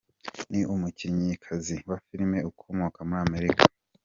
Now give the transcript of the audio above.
Ni umukinnyikazi wa filimi ukomeye muri Amerika.